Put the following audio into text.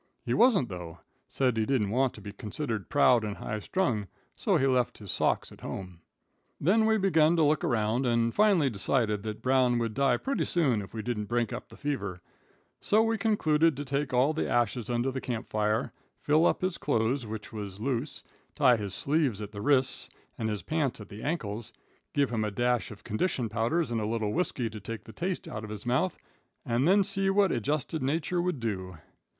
He wasn't though. Said he didn't want to be considered proud and high strung, so he left his socks at home. [Illustration: CHARCOAL BROWN'S REPROACHES.] "Then we begun to look around and finally decided that Brown would die pretty soon if we didn't break up the fever, so we concluded to take all the ashes under the camp fire, fill up his cloze, which was loose, tie his sleeves at the wrists, and his pants at the ankles, give him a dash of condition powders and a little whiskey to take the taste out of his mouth, and then see what ejosted nature would do.